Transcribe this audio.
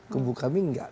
kubu kami enggak